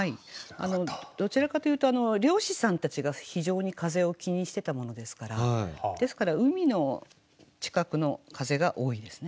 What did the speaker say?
どちらかというと漁師さんたちが非常に風を気にしてたものですからですから海の近くの風が多いですね。